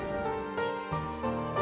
pertanyaan yang terakhir